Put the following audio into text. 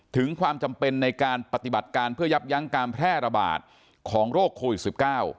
ถึงความจำเป็นในการปฏิบัติการเพื่อยับยั้งการแพร่ระบาดของโรคโควิด๑๙